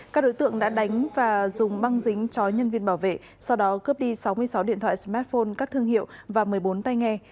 các đối tượng đã đánh và dùng băng dính chói nhân viên bảo vệ sau đó cướp đi sáu mươi sáu điện thoại smartphone các thương hiệu và một mươi bốn tay nghe